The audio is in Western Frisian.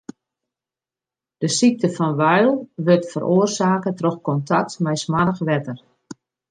De sykte fan Weil wurdt feroarsake troch kontakt mei smoarch wetter.